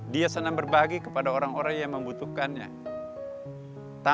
dia senang berbagi kepada orang orang yang membutuhkannya